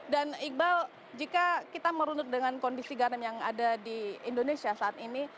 dan iqbal jika kita merunduk dengan kondisi garam yang ada di indonesia saat ini